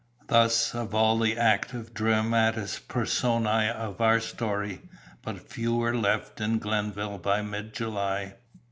Thus of all the active dramatis personæ of our story, but few were left in Glenville by mid July.